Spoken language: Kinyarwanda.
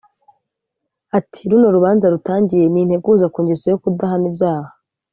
Ati"Runo rubanza rutangiye ni integuza ku ngeso yo kudahana ibyaha